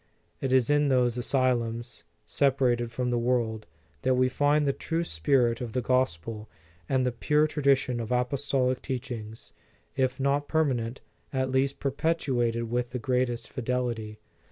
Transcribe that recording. It is in those asylums, separated from the world, that we find the true spirit of the Gos pel and the pure tradition of apostolic teach ings, if not permanent, at least perpetuated with the greatest fidelity.